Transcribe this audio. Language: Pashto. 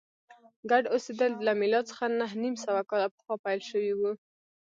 ګډ اوسېدل له میلاد څخه نهه نیم سوه کاله پخوا پیل شوي و